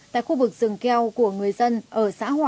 tại khu vực rừng keo của người dân ở xã hòa